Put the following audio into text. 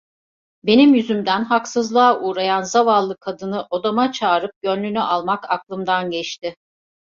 Benim yüzümden haksızlığa uğrayan zavallı kadını odama çağırıp gönlünü almak aklımdan geçti.